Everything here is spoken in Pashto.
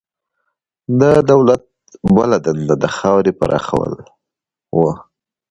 د دولت بله دنده د خاورې پراخول وو.